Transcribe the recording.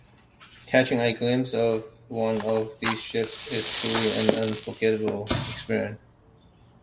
Catching a glimpse of one of these ships is truly an unforgettable experience.